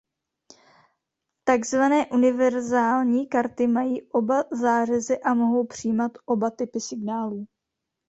Takzvané univerzální karty mají oba zářezy a mohou přijímat oba typy signálů.